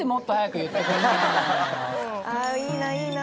あいいないいな。